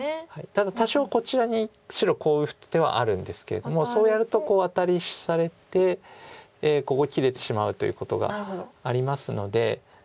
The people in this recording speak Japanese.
ただ多少こちらに白こう打つ手はあるんですけれどもそうやるとこうアタリされてここ切れてしまうということがありますので。